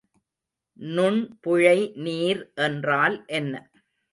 நுண்புழை நீர் என்றால் என்ன?